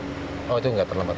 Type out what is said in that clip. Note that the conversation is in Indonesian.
oh itu tidak terlambat